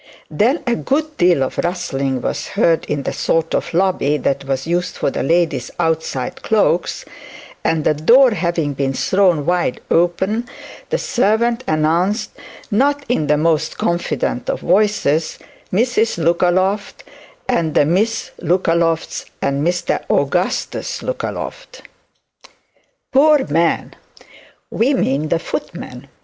Then a good deal of rustling was heard in the sort of lobby that was used for the ladies' outside cloaks; and the door having been thrown wide open, the servant announced, not in the most confident of voices, Mrs Lookaloft, and the Miss Lookalofts, and Mr Augustus Lookaloft. Poor man! we mean the footman.